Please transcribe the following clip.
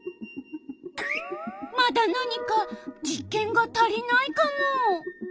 まだなにか実験が足りないカモ。